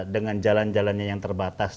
dengan jalan jalannya yang terbatas